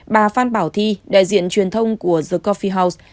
bà phan bảo thi đại diện truyền thông của the cophie house